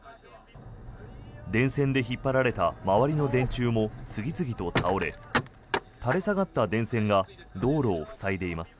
電線で引っ張られた周りの電柱も次々と倒れ垂れ下がった電線が道路を塞いでいます。